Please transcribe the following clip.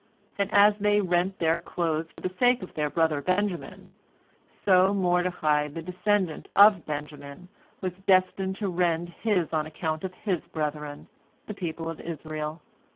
And as they rent their clothes for the sake of their brother Benjamin, so Mordecai, the descendant of Benjamin, was destined to rend his on account of his brethren, the people of Israel.